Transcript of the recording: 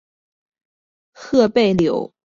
褐背柳是杨柳科柳属的植物。